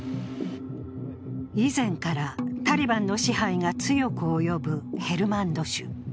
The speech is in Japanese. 以前からタリバンの支配が強く及ぶヘルマンド州。